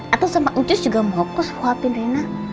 atau sama anjus juga mau kok suapin reina